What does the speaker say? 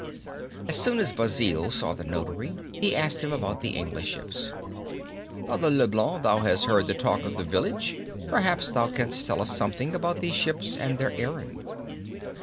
As soon as Basil saw the notary he asked him about the English ships. "Father Leblanc, thou hast heard the talk of the village. Perhaps, thou canst tell us something about the ships and their errand."